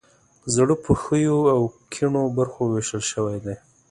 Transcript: زړه په ښیو او کیڼو برخو ویشل شوی دی.